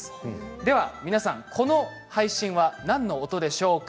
では皆さん、この配信は何の音でしょうか？